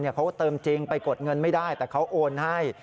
เขาก็เติมจริงไปกดเงินไม่ได้แต่เขาโอนให้